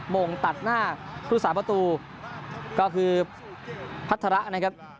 มงตัดหน้าผู้สาประตูก็คือพัฒระนะครับ